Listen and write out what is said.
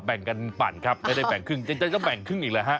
แบ่งกันปั่นครับไม่ได้แบ่งครึ่งจริงก็แบ่งครึ่งอีกแล้วฮะ